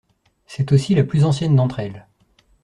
C'est aussi la plus ancienne d'entre elles.